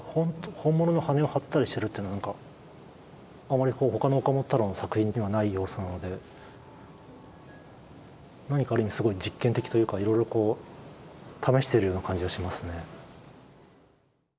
本物の羽根を貼ったりしてるって何かあまり他の岡本太郎の作品にはない要素なので何かある意味すごい実験的というかいろいろこう試しているような感じはしますね。